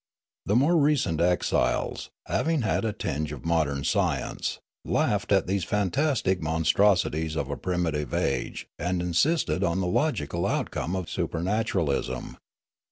The more recent exiles, having had a tinge of modern science, laughed at these fantastic monstrosities of a primitive age and insisted on the logical outcome of supernaturalism.